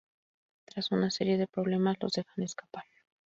Tras una serie de problemas los dejan escapar.